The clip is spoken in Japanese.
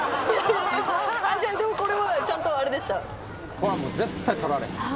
これはもう絶対取られへん。